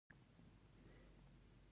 متلونه د تجربو نچوړ دی